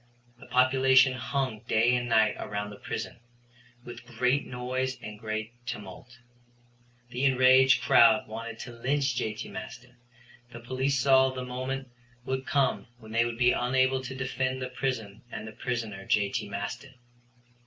The population hung day and night around the prison, with great noise and great tumult. The enraged crowd wanted to lynch J.T. Maston. The police saw the moment would come when they would be unable to defend the prison and the prisoner J.T. Maston.